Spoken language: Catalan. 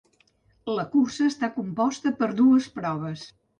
La cursa està composta per dues proves.